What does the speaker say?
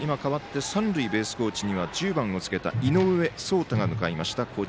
三塁ベースコーチには１０番をつけた井上聡太が向かいました。